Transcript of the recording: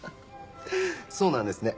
そうなんですね。